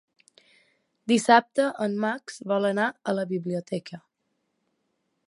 Dissabte en Max vol anar a la biblioteca.